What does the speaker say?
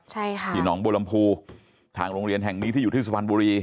ใช่ค่ะที่หนองบัวลำพูทางโรงเรียนแห่งนี้ที่อยู่ที่สุพรรณบุรี